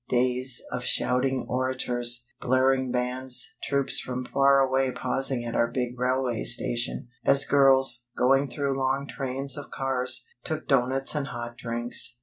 Days of shouting orators, blaring bands, troops from far away pausing at our big railway station, as girls, going through long trains of cars, took doughnuts and hot drinks.